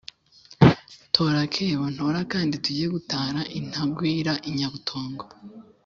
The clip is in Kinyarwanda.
Tora akebo ntore akandi tujye gutara intagwira-Inyabutongo.